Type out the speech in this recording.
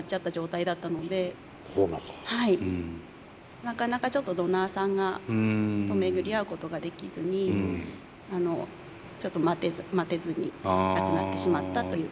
なかなかちょっとドナーさんと巡り会うことができずにちょっと待てずに亡くなってしまったという形。